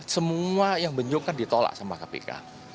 semua yang benjok kan ditolak sama kpk